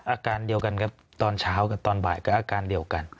อาการเดียวกันครับตอนเช้ากับตอนบ่ายก็อาการเดียวกัน